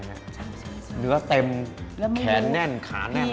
เนื้อเต็มแขนแน่นขาแน่น